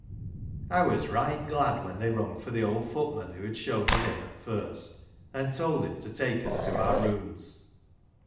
j I was right glad when they rung for the old footman who had shown us in at 'first, and told him to take us to our rooms.